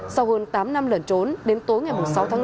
sau hơn tám năm lẩn trốn đến tối ngày sáu tháng năm